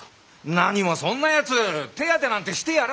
何もそんなやつ手当てなんてしてやらなくても！